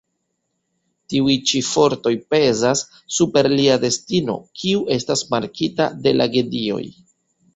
Tiuj ĉi fortoj pezas super lia destino, kiu estas markita de la gedioj.